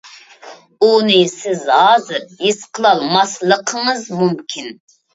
ئۇنى سىز ھازىر ھېس قىلالماسلىقىڭىز مۇمكىن.